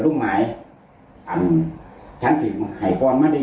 ทำไมจังเจ้าบอกว่าเจ้าอยู่ตรงนี้